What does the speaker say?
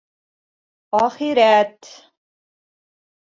Әхирәт...